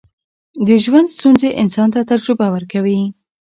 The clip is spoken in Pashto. د ژوند ستونزې انسان ته تجربه ورکوي.